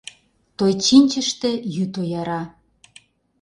Той чинчыште йӱд ояра.